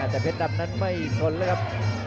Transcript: แต่เผ็ดดำนั้นไม่จนนะครับ